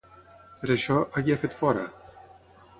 Per això, a qui ha fet fora?